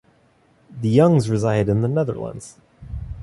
The Youngs resided in the Netherlands.